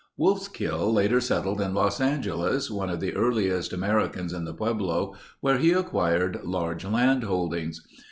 Wolfskill later settled in Los Angeles, one of the earliest Americans in the pueblo where he acquired large land holdings.